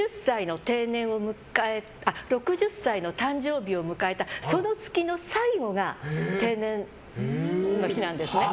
６０歳の誕生日を迎えたその月の最後が定年の日なんですね。